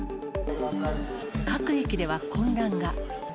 各駅では混乱が。